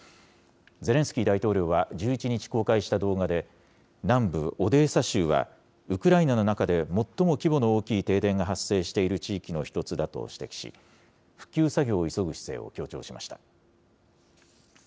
ゼレンスキー大統領は１１日公開した動画で、南部オデーサ州は、ウクライナの中で最も規模の大きい停電が発生している地域の１つだと指摘し、復旧作業を急ぐ姿勢を強調しました。